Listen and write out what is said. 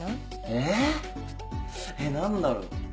えっ何だろう。